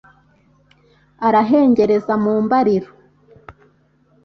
arahengereza mu mbariro